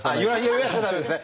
揺らしちゃ駄目ですね。